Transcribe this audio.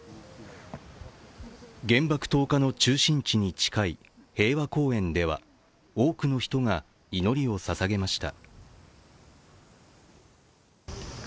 原爆投下の中心地に近い平和公園では、多くの人が祈りを捧げました。